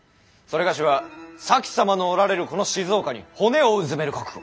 某は前様のおられるこの静岡に骨をうずめる覚悟。